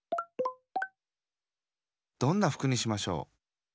どんなふくにしましょう？